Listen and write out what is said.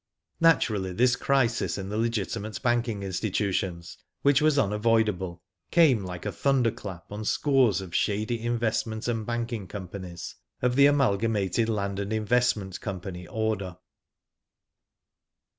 Naturally this crisis in the legitimate banking institutions, which was unavoidable, came like a thunderclap on scores of shady investment and banking companies of the Amalgamated Land and Investment Company order.